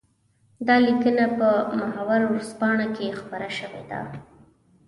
دا ليکنه په محور ورځپاڼه کې خپره شوې ده.